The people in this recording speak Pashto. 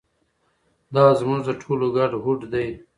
دا زموږ د ټولو ګډ هوډ دی.